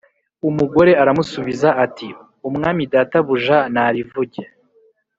Umugore aramusubiza ati “Umwami databuja narivuge.”